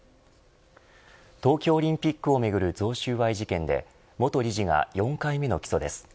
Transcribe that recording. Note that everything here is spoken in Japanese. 東京オリンピックをめぐる贈収賄事件で元理事が４回目の起訴です。